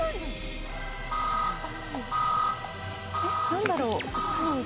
⁉何だろう？